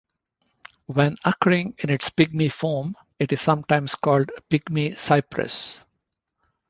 When occurring in its pygmy form, it is sometimes called pygmy cypress.